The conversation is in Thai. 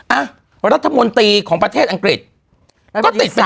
อ่ะรัฐมนตรีของประเทศอังกฤษก็ติดไป